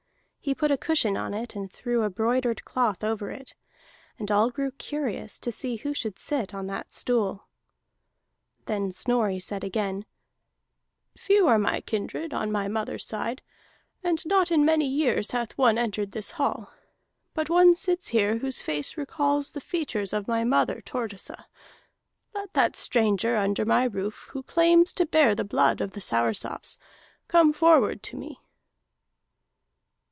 He put a cushion in it, and threw a broidered cloth over it. And all grew curious to see who should sit on that stool. Then Snorri said again: "Few are my kindred on my mother's side, and not in many years hath one entered this hall. But one sits here whose face recalls the features of my mother Thordisa. Let that stranger under my roof who claims to bear the blood of the Soursops, come forward to me!"